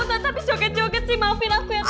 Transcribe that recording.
tante habis joget joget sih maafin aku ya tante